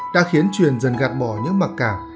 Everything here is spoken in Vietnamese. đã khiến truyền dần gạt bỏ những mặc cảm